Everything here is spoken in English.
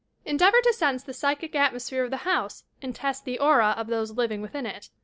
"" Endeavour to sense the psychic atmos phere of the house aru^ tpot ti^p «ii[ j of tho se_lmng within it.